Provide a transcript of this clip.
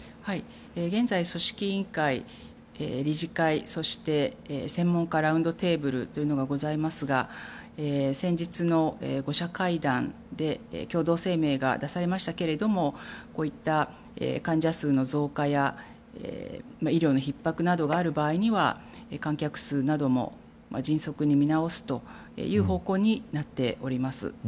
現在、組織委員会理事会、そして専門家のラウンドテーブルがございますが先日の５者会談で共同声明が出されましたがこういった患者数の増加や医療のひっ迫などがある場合には観客数なども迅速に見直すという方向になっております。